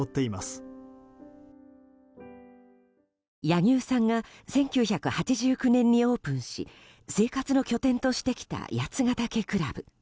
柳生さんが１９８９年にオープンし生活の拠点としてきた八ヶ岳倶楽部。